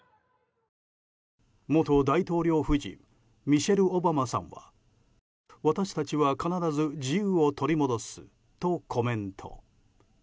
元大統領夫人ミシェル・オバマさんは私たちは必ず自由を取り戻すとコメント。